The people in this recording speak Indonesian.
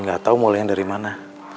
tapi gak tau mau liat dari mana